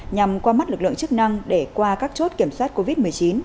nhằm qua mắt lực lượng chức năng để qua các chốt kiểm soát covid một mươi chín